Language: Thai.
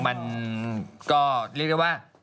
มันก็เรียกได้ว่า